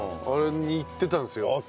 「あの辺に行ってたんですよ」